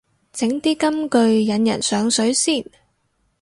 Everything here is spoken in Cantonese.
整啲金句引人上水先